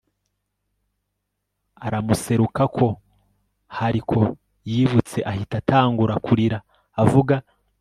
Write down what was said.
aramuserukako haricot yibutse ahita atangura kurira avuga